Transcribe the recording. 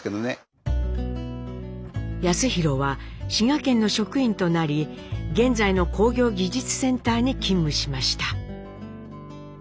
康宏は滋賀県の職員となり現在の工業技術センターに勤務しました。